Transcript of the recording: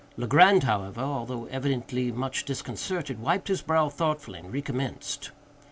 Legrand, however, although evidently much disconcerted, wiped his brow thoughtfully and recommenced.